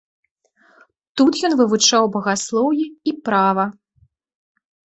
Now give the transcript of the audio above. Тут ён вывучаў багаслоўе і права.